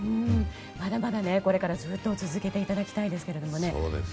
まだまだこれからずっと続けていただきたいですけれどもね。